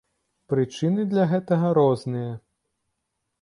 Прычыны для гэтага розныя.